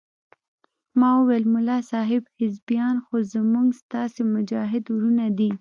ما وويل ملا صاحب حزبيان خو زموږ ستاسې مجاهد ورونه دي.